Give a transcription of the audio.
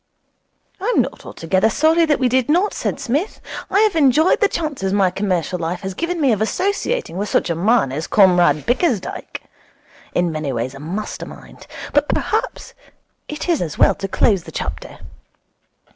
'I am not altogether sorry that we did not,' said Psmith. 'I have enjoyed the chances my commercial life has given me of associating with such a man as Comrade Bickersdyke. In many ways a master mind. But perhaps it is as well to close the chapter.